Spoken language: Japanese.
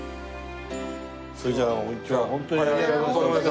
それじゃあ今日はホントにありがとうございました。